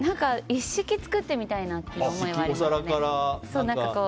一式作ってみたいなという思いはありますね。